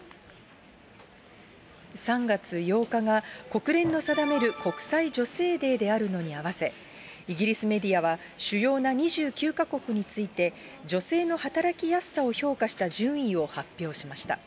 ３月８日が国連の定める国際女性デーであるのに合わせ、イギリスメディアは主要な２９か国について、女性の働きやすさを評価した順位を発表しました。